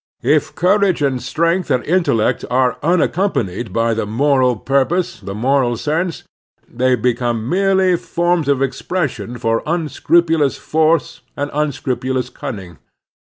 If courage and strength and intellect are tmaccom panied by the moral purpose, the moral sense, they become merely forms of expression for un scrupulous force and tmscrupulous ctinning.